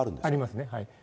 ありますね。